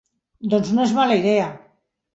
Doncs no és mala idea.